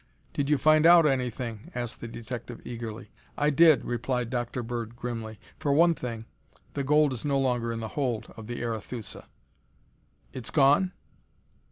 "Did you find out anything?" asked the detective eagerly. "I did," replied Dr. Bird grimly. "For one thing, the gold is no longer in the hold of the Arethusa." "It's gone?"